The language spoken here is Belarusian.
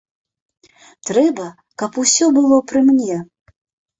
Трэба, каб усё гэта было пры мне.